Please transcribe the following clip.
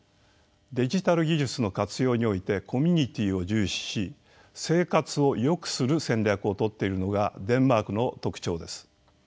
デジタル技術の活用においてコミュニティーを重視し生活をよくする戦略を取っているのがデンマークの特徴です。